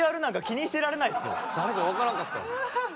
誰かわからんかった。